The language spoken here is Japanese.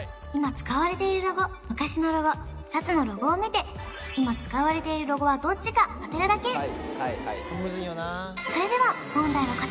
今使われているロゴ昔のロゴ２つのロゴを見て今使われているロゴはどっちか当てるだけ！